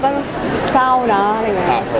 พี่เอ๊ยฮะพี่เอ๊ยฮะ